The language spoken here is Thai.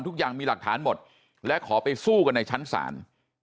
ทุกอย่างมีหลักฐานหมดและขอไปสู้กันในชั้นศาล